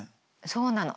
そうなの。